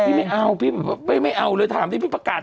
แต่พี่ไม่เอาไม่เอาเลยถามที่พี่ประกาศ